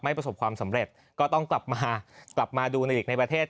ไม่ผสมความสำเร็จก็ต้องกลับมากลับมาดูในประเทศ